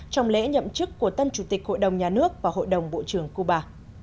trong lễ nhậm chức của tân chủ tịch hội đồng nhà nước và hội đồng bộ trưởng cuba